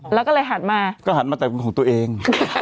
แล้วก็เลยหันมาก็หันมาแต่เป็นของตัวเอง